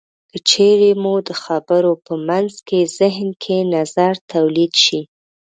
که چېرې مو د خبرو په منځ کې زهن کې نظر تولید شي.